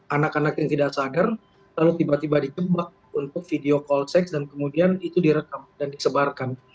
anak anak yang tidak sadar lalu tiba tiba dijebak untuk video call sex dan kemudian itu direkam dan disebarkan